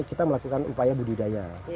kita melakukan upaya budidaya